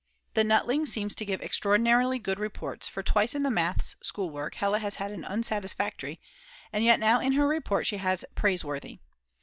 The Nutling seems to give extraordinarily good reports, for twice in the Maths. schoolwork Hella has had an Unsatisfactory, and yet now in her report she has Praiseworthy.